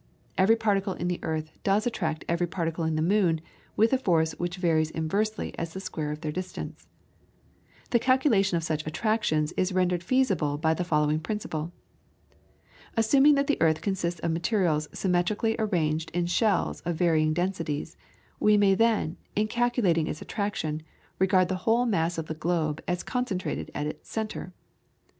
Every particle in the earth does attract every particle in the moon with a force which varies inversely as the square of their distance. The calculation of such attractions is rendered feasible by the following principle. Assuming that the earth consists of materials symmetrically arranged in shells of varying densities, we may then, in calculating its attraction, regard the whole mass of the globe as concentrated at its centre.